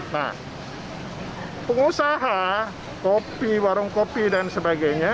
nah pengusaha kopi warung kopi dan sebagainya